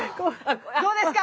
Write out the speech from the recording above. どうですか！